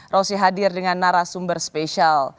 rosi hadir dengan narasumber spesial